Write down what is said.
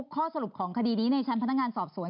ข้อสรุปของคดีนี้ในชั้นพนักงานสอบสวน